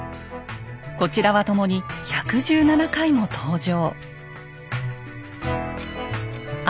こちらはともに１１７回も登場。